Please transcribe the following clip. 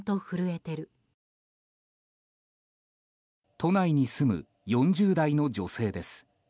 都内に住む４０代の女性です。